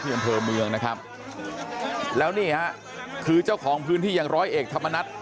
อำเภอเมืองนะครับแล้วนี่ฮะคือเจ้าของพื้นที่อย่างร้อยเอกธรรมนัฐ